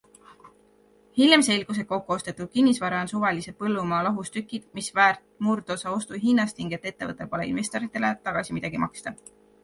Hiljem selgus, et kokkuostetud kinnisvara on suvalised põllumaa lahustükid, mis väärt murdosa ostuhinnast ning et ettevõttel pole investoritele tagasi midagi maksta.